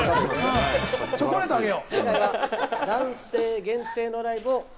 チョコレートあげよう！